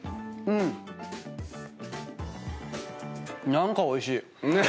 何かおいしい。